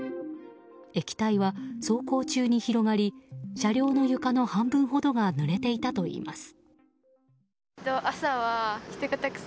液体は、走行中に広がり車両の床の半分ほどがぬれていたといいます。